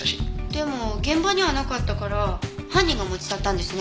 でも現場にはなかったから犯人が持ち去ったんですね。